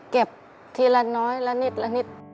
เก็บทีละน้อยละนิดละนิด